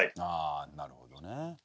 ああなるほどね。